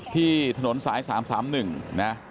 ที่ถนนสาย๓๓๑นะ